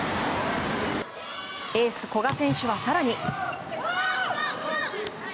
エース、古賀選手は更に。